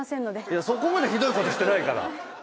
いやそこまでひどい事してないから！